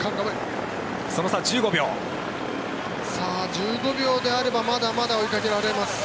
１５秒であればまだまだ追いかけられます。